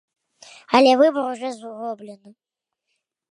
Але выбар ужо зроблены.